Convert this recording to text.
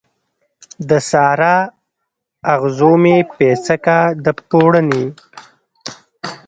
د سارا، اغزو مې پیڅکه د پوړنې